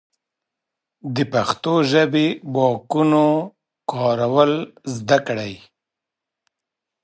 د پښتو ژبې ياګانو کارول زده کړئ.